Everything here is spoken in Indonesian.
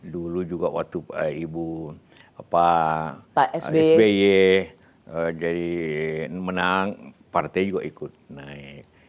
dulu juga waktu ibu sby jadi menang partai juga ikut naik